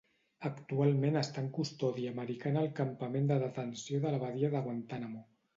Actualment està en custòdia americana al campament de detenció de la badia de Guantanamo.